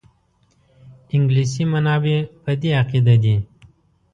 انګلیسي منابع په دې عقیده دي.